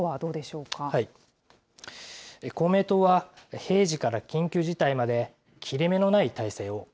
公明党は、平時から緊急事態まで、切れ目のない体制を。